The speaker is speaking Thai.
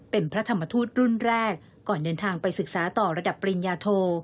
เป็นพระธรรมทูตรุ่นแรกก่อนเดินทางไปศึกษาต่อระดับปริญญาโท